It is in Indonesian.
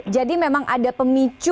jadi memang ada pemicu